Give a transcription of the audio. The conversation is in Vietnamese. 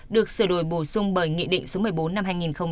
được sửa đổi bổ sung bởi nghị định số một mươi bốn năm hai nghìn hai mươi hai